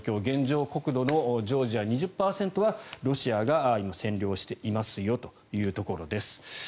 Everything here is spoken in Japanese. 現状、国土のジョージア２０％がロシアが今、占領していますよというところです。